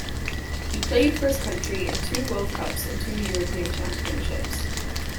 He played for his country in two World Cups and two European Championships.